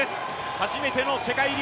初めての世陸